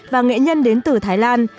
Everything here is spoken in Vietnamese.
và nghệ nhân đến từ thái lan